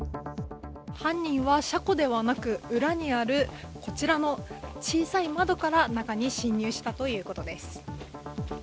犯人は車庫ではなく、裏にあるこちらの小さい窓から中に侵入したということです。